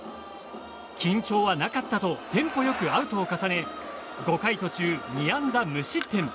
緊張はなかったとテンポよくアウトを重ね５回途中２安打無失点。